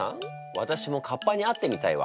私もかっぱに会ってみたいわ。